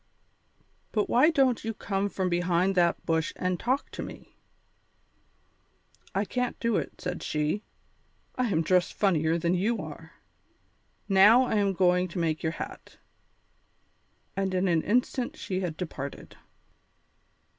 "But why don't you come from behind that bush and talk to me?" "I can't do it," said she, "I am dressed funnier than you are. Now I am going to make your hat." And in an instant she had departed.